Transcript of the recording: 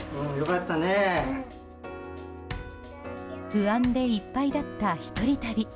不安でいっぱいだった一人旅。